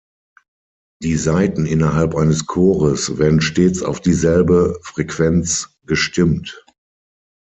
Die Saiten innerhalb eines Chores werden stets auf dieselbe Frequenz gestimmt.